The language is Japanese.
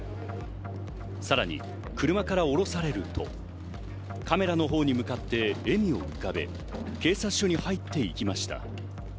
さらに車から降ろされると、カメラのほうに向かって笑みを浮かべ、警察署に入っていきました。